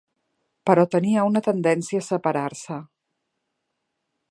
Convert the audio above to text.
Però tenia una tendència a separar-se.